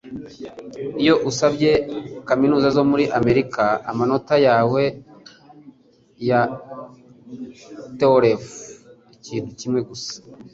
Iyo usabye kaminuza zo muri Amerika, amanota yawe ya TOEFL ni ikintu kimwe gusa.